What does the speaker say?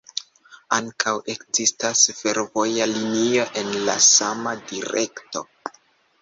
Ankaŭ ekzistas fervoja linio en la sama direkto.